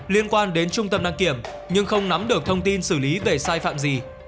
liên quan đến trung tâm đăng kiểm nhưng không nắm được thông tin xử lý về sai phạm gì